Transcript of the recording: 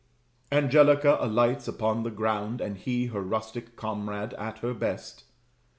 Angelica alights upon the ground, And he, her rustic comrade, at her best.